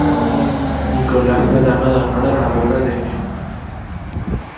Nicola fue dama de honor en la boda de Gemma.